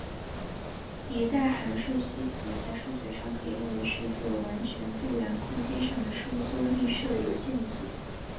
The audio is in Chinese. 迭代函数系统在数学上可以认为是一个完全度量空间上的收缩映射的有限集。